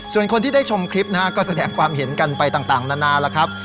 ส่วนคนที่ได้ชมคลิปนะฮะก็แสดงความเห็นกันไปต่างนานาแล้วครับ